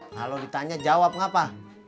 kalau ditanya jawab ngapa